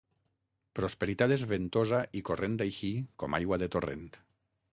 Prosperitat és ventosa i corrent així com aigua de torrent.